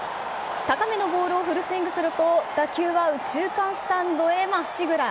高めのボールをフルスイングすると、打球は右中間スタンドへまっしぐら。